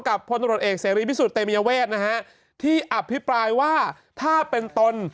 พลตรวจเอกเสรีพิสุทธิเตมียเวทนะฮะที่อภิปรายว่าถ้าเป็นตน